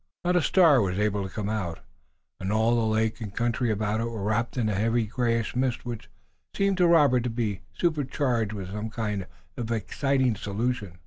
Not a star was able to come out, and all the lake and country about it were wrapped in a heavy grayish mist which seemed to Robert to be surcharged with some kind of exciting solution.